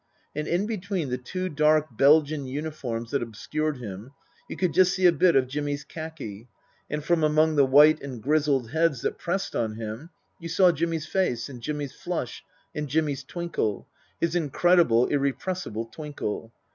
And in between the two dark Belgian uniforms that obscured him you could just see a bit of Jimmy's khaki, and from among the white and grizzled heads that pressed on him you saw Jimmy's face and Jimmy's flush and Jimmy's twinkle ; his incredible, irrepressible twinkle.